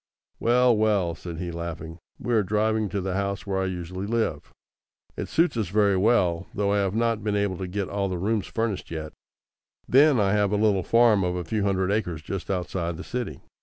"Well, well," said he, laughing, "we are driving to the house where I usually live. It suits us very well, though I have not been able to get all the rooms furnished yet. Then I have a little farm of a few hundred acres just outside the city.